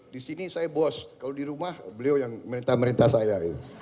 di sini saya bos kalau di rumah beliau yang merintah merintah saya